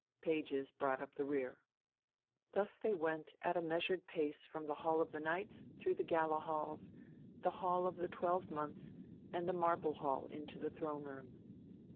Pages brought up the rear. Thus they went at a measured pace from the Hall of the Knights through the Gala Halls, the Hall of the Twelve Months, and the Marble Hall into the Throne room.